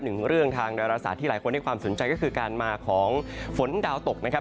หนึ่งเรื่องทางดาราศาสตร์ที่หลายคนให้ความสนใจก็คือการมาของฝนดาวตกนะครับ